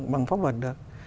bằng pháp luật được